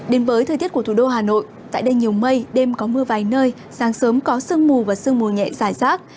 đến với thời tiết của thủ đô hà nội tại đây nhiều mây đêm có mưa vài nơi sáng sớm có sương mù và sương mù nhẹ dài rác